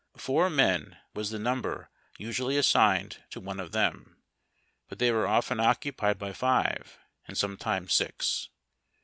Four men was the number usually as signed to one of them ; but they were often occupied by five, and sometimes six.